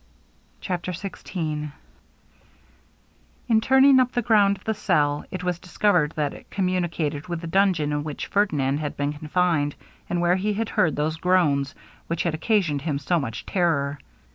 CHAPTER XVI In turning up the ground of the cell, it was discovered that it communicated with the dungeon in which Ferdinand had been confined, and where he had heard those groans which had occasioned him so much terror.